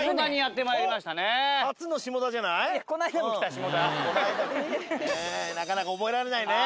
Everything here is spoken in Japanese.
さあ今回はなかなか覚えられないね。